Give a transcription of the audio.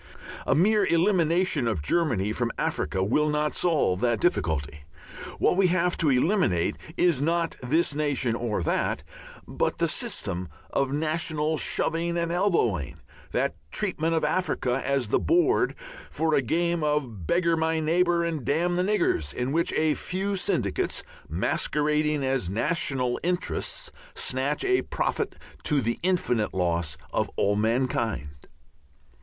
A mere elimination of Germany from Africa will not solve that difficulty. What we have to eliminate is not this nation or that, but the system of national shoving and elbowing, the treatment of Africa as the board for a game of beggar my neighbour and damn the niggers, in which a few syndicates, masquerading as national interests, snatch a profit to the infinite loss of all mankind.